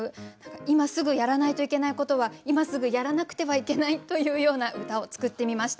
今すぐやらないといけないことは今すぐやらなくてはいけないというような歌を作ってみました。